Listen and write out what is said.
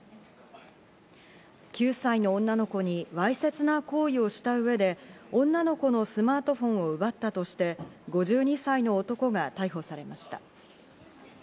９歳の女の子にわいせつな行為をした上で、女の子のスマートフォンを奪ったとして、５２歳の男が逮捕されました。